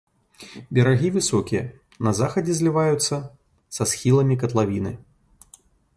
Берагі высокія, на захадзе зліваюцца са схіламі катлавіны.